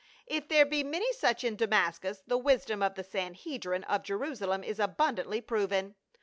" If there be many such in Damascus, the wisdom of the Sanhedrim of Jerusalem is abundantly proven.